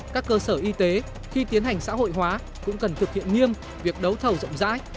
các cơ sở y tế khi tiến hành xã hội hóa cũng cần thực hiện nghiêm việc đấu thầu rộng rãi